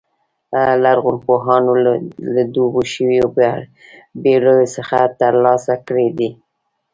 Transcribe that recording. لرغونپوهانو له ډوبو شویو بېړیو څخه ترلاسه کړي دي